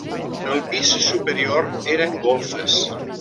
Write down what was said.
El pis superior eren golfes.